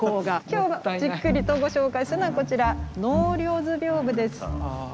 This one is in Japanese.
今日じっくりとご紹介するのはこちら「納涼図風」です。